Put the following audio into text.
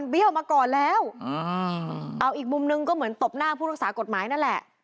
เอาอีกมุมนึงก็เหมือนตบหน้าผู้รักษากฎหมายนั่นแหละ